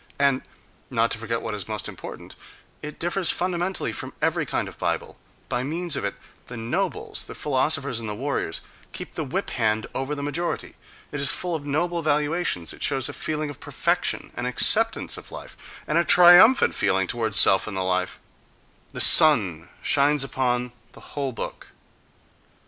And, not to forget what is most important, it differs fundamentally from every kind of Bible: by means of it the nobles, the philosophers and the warriors keep the whip hand over the majority; it is full of noble valuations, it shows a feeling of perfection, an acceptance of life, and triumphant feeling toward self and life—the sun shines upon the whole book.